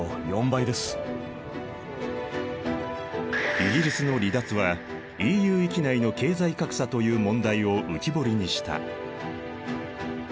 イギリスの離脱はＥＵ域内の経済格差という問題を浮き彫りにした。